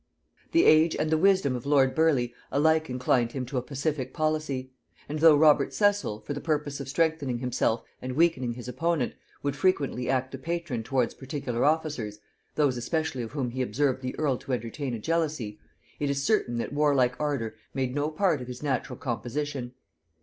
The age and the wisdom of lord Burleigh alike inclined him to a pacific policy; and though Robert Cecil, for the purpose of strengthening himself and weakening his opponent, would frequently act the patron towards particular officers, those especially of whom he observed the earl to entertain a jealousy, it is certain that warlike ardor made no part of his natural composition.